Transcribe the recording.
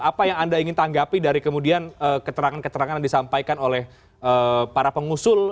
apa yang anda ingin tanggapi dari kemudian keterangan keterangan yang disampaikan oleh para pengusul